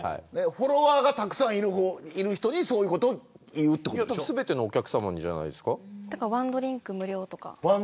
フォロワーがたくさんいる人にそういうことを全てのお客さまにワンドリンク無料とか。